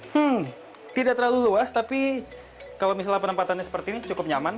hmm tidak terlalu luas tapi kalau misalnya penempatannya seperti ini cukup nyaman